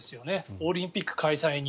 オリンピック開催に。